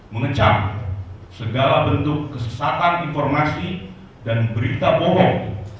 mengecap segala bentuk kesesakan informasi dan berita bohong